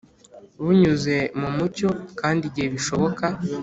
Bunyuze mu mucyo kandi igihe bishoboka